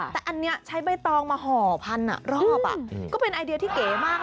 แต่อันนี้ใช้ใบตองมาห่อพันรอบก็เป็นไอเดียที่เก๋มาก